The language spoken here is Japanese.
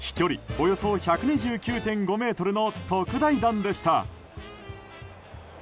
およそ１２９．５ｍの特大弾でした。